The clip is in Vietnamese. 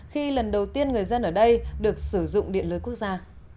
khi lần đầu tiên người dân ở đây được sử dụng điện lưới quốc gia